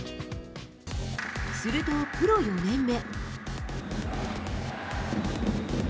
するとプロ４年目。